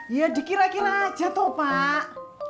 ya dikira kira aja toh pak